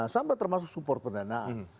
sambil termasuk support pendanaan